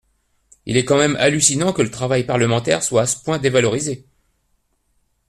Il est quand même hallucinant que le travail parlementaire soit à ce point dévalorisé.